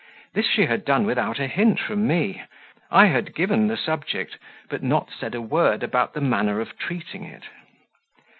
This she had done without a hint from me: I had given the subject, but not said a word about the manner of treating it.